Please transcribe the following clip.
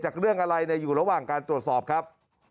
เรื่องอะไรอยู่ระหว่างการตรวจสอบครับ